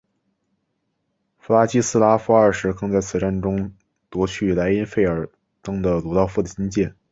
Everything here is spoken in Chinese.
弗拉季斯拉夫二世更在此战中夺去莱茵费尔登的鲁道夫的金剑。